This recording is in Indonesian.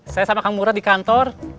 saya sama kang murad di kantor